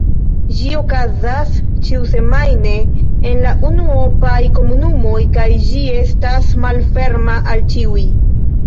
Ĝi okazas ĉiusemajne en la unuopaj komunumoj kaj ĝi estas malferma al ĉiuj.